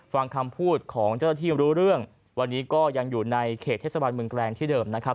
ฟังคำพูดของเจ้าหน้าที่รู้เรื่องวันนี้ก็ยังอยู่ในเขตเทศบาลเมืองแกลงที่เดิมนะครับ